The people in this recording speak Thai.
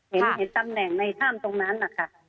เห็นตำแหน่งในถ้ามตรงนั้น